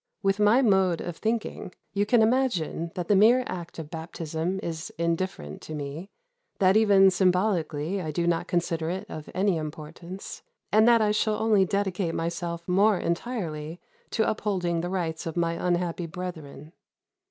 With my mode of thinking, you can imagine that the mere act of baptism is indifferent to me; that even symbolically I do not consider it of any importance, and that I shall only dedicate myself more entirely to upholding the rights of my unhappy brethren.